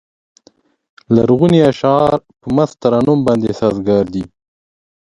لرغوني اشعار په مست ترنم باندې سازګار دي.